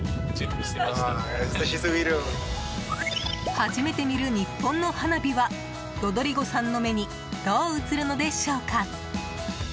初めて見る日本の花火はロドリゴさんの目にどう映るのでしょうか？